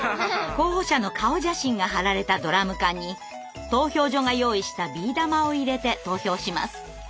候補者の顔写真が貼られたドラム缶に投票所が用意したビー玉を入れて投票します。